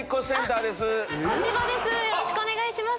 よろしくお願いします。